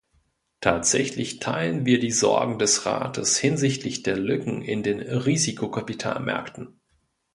Tatsächlich teilen wir die Sorgen des Rates hinsichtlich der Lücken in den Risikokapitalmärkten.